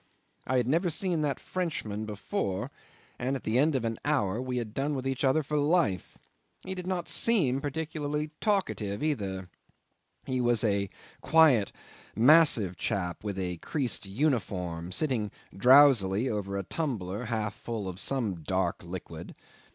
I had never seen that Frenchman before, and at the end of an hour we had done with each other for life: he did not seem particularly talkative either; he was a quiet, massive chap in a creased uniform, sitting drowsily over a tumbler half full of some dark liquid.